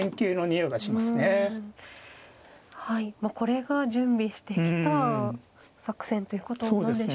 これが準備してきた作戦ということになるんでしょうか。